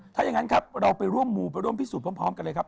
ถ้าอย่างนั้นครับเราไปร่วมมูลไปร่วมพิสูจน์พร้อมกันเลยครับ